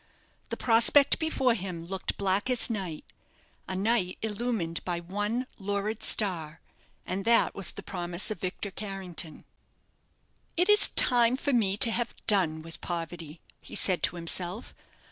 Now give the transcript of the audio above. The prospect before him looked black as night a night illumined by one lurid star, and that was the promise of Victor Carrington. "It is time for me to have done with poverty," he said to himself.